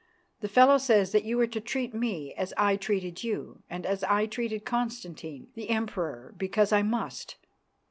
The fellow says that you are to treat me as I treated you, and as I treated Constantine, the Emperor because I must.